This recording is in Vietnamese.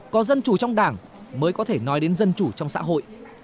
có dân chủ trong đảng mới có thể nói đến dân chủ trong xã hội